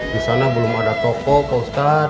di sana belum ada toko pak ustad